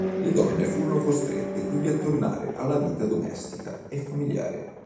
Le donne furono costrette quindi a tornare alla vita domestica e familiare.